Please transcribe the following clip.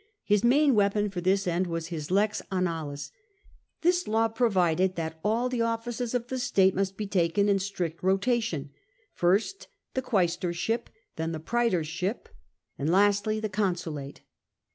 His main weapon for this end was his lex annalis : this law provided that all the officers of the state must be taken in strict rotation — first the quaestorship, then the praetorship, and lastly the consulate.